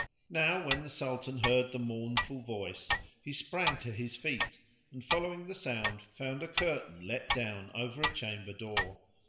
Now when the Sultan heard the mournful voice he sprang to his feet; and, following the sound, found a curtain let down over a chamber door.